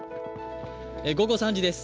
午後３時です。